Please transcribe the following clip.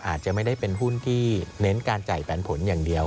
อาจจะไม่ได้เป็นหุ้นที่เน้นการจ่ายปันผลอย่างเดียว